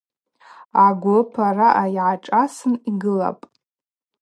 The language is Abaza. Агвып араъа йгӏашӏасын йгылапӏ.